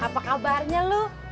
apa kabarnya lu